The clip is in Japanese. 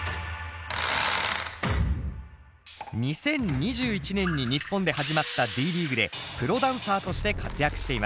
２０２１年に日本で始まったＤリーグでプロダンサーとして活躍しています。